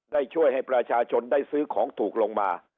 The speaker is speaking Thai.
ได้ช่วยให้ประชาชนได้ซื้อของถูกลงมา